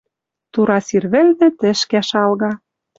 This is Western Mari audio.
Тура сир вӹлнӹ тӹшкӓ шалга.